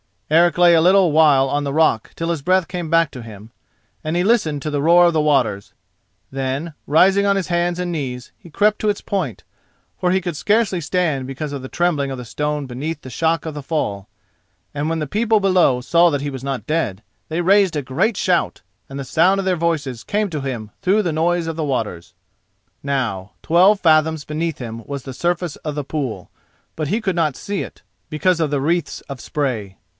Eric lay a little while on the rock till his breath came back to him, and he listened to the roar of the waters. Then, rising on his hands and knees, he crept to its point, for he could scarcely stand because of the trembling of the stone beneath the shock of the fall; and when the people below saw that he was not dead, they raised a great shout, and the sound of their voices came to him through the noise of the waters. Now, twelve fathoms beneath him was the surface of the pool; but he could not see it because of the wreaths of spray.